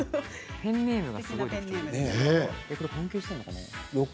ペンネームがすごい。